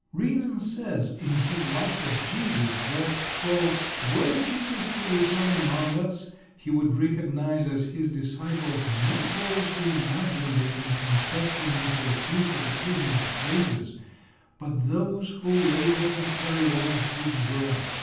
Renan says, in his Life of Jesus, that "were Jesus to return amongst us He would recognise as His disciples, not those who imagine they can compress Him into a few catechismal phrases, but those who labour to carry on His work."